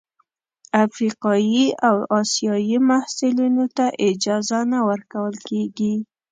افریقايي او اسیايي محصلینو ته اجازه نه ورکول کیږي.